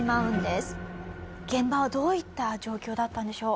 現場はどういった状況だったんでしょう？